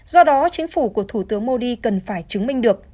do đó chính phủ của thủ tướng modi cần phải chứng minh được